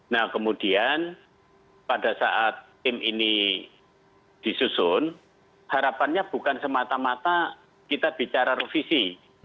nah kemudian pada saat tim ini disusun harapannya bukan semata mata kita bicara revisi